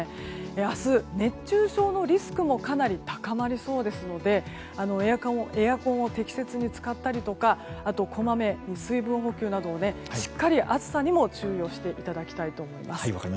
明日、熱中症のリスクもかなり高まりそうなのでエアコンを適切に使ったりとかこまめに水分補給などをしっかり暑さにも注意をしていただきたいと思います。